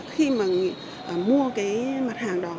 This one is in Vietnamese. khi mà mua cái mặt hàng đó